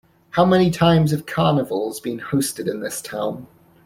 How many times have carnivals been hosted in this town?